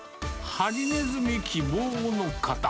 ハリネズミ希望の方。